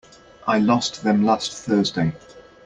I lost them last Thursday.